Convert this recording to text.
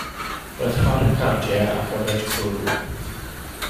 Roedd chwarae cardiau ac yfed cwrw.